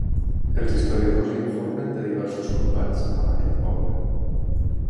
Els historiadors informen de diversos combats amb aquest poble.